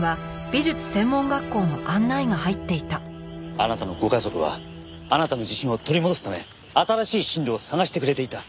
あなたのご家族はあなたの自信を取り戻すため新しい進路を探してくれていた。